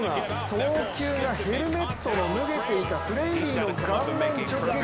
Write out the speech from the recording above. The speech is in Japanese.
送球がヘルメットの脱げていたフレイリーの顔面直撃。